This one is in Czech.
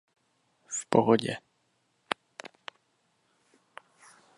V pohodě.